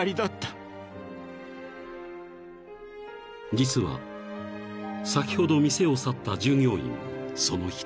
［実は先ほど店を去った従業員もその一人］